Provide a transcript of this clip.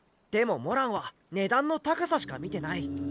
でもモランは値段の高さしか見てない。